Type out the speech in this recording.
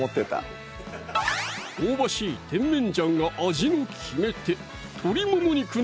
香ばしい甜麺醤が味の決め手